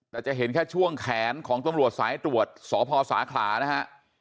แต่จะเห็นแค่ช่วงแขนของตำรวจสายตรวจสพสาขลานะฮะ